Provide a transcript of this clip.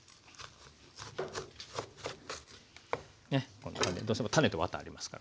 こんな感じでどうしても種とワタありますからね。